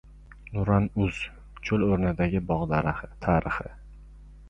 «Nuran uz» — cho‘l o‘rnidagi bog‘ tarixi